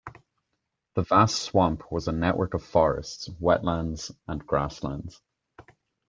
The vast Swamp was a network of forests, wetlands, and grasslands.